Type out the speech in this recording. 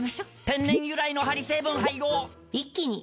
天然由来のハリ成分配合一気に！